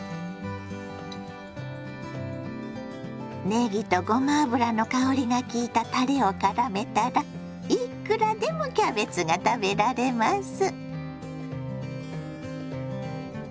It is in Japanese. ねぎとごま油の香りが効いたたれをからめたらいくらでもキャベツが食べられます。